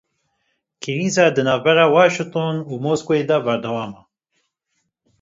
Krîza di navbera Waşinton û Moskowê de berdewam e.